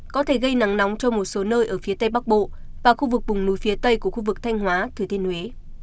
có thể gây nắng nóng cho một số nơi ở phía tây bắc bộ và khu vực vùng núi phía tây của khu vực thanh hóa thừa thiên huế